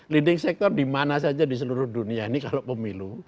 leading sector di mana saja di seluruh dunia ini kalau pemilu